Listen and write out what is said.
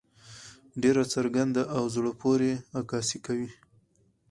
ډېره څرګنده او زړۀ پورې عکاسي کوي.